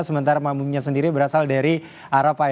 sementara makmumnya sendiri berasal dari arab